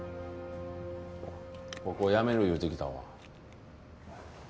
ここ辞める言うてきたわ。